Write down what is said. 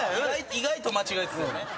意外と間違えてたよね。